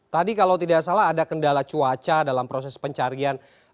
tadi kalau tidak salah ada kendala cuaca dalam proses pencarian